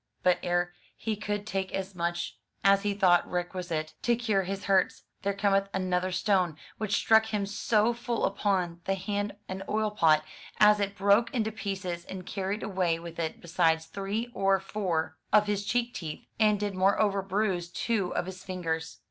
But ere he could take as much as he thought requisite to cure his hurts, there cometh another stone, which struck him so full upon the hand and oil pot, as it broke it into pieces, and carried away with it besides three or four of his cheek teeth, and did moreover bruise two of his fingers.